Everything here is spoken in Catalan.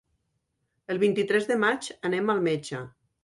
El vint-i-tres de maig anem al metge.